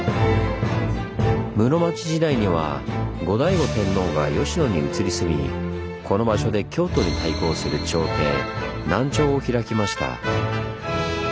室町時代には後醍醐天皇が吉野にうつり住みこの場所で京都に対抗する朝廷「南朝」を開きました。